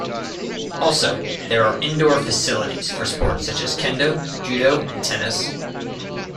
Also there are indoor facilities for sports such as kendo, judo and tennis.